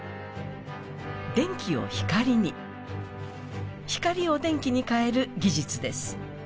電気を光に、光を電気に変える技術です。